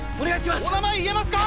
お名前言えますか？